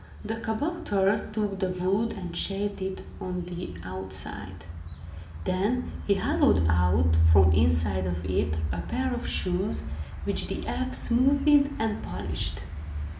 The kabouter took the wood and shaped it on the outside. Then he hollowed out, from inside of it, a pair of shoes, which the elf smoothed and polished.